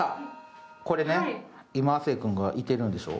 今、亜生君がいてるんでしょう？